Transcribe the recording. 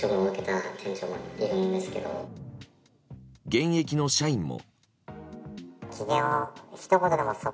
現役の社員も。